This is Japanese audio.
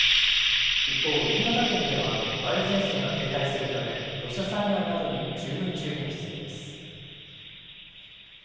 一方、新潟県では梅雨前線が停滞するため、土砂災害などに十分注意が必要です。